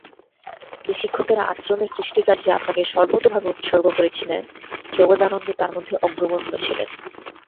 যে শিক্ষকেরা আশ্রমের সৃষ্টিকার্যে আপনাকে সর্বতোভাবে উৎসর্গ করেছিলেন, জগদানন্দ তার মধ্যে অগ্রগণ্য ছিলেন।